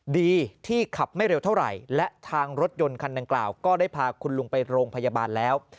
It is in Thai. ดีที่ขับไม่เร็วเท่าไหร่และทางรถยนต์คันดังกล่าวก็ได้พาคุณลุงไปโรงพยาบาลแล้ว